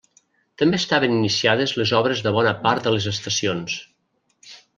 També estaven iniciades les obres de bona part de les estacions.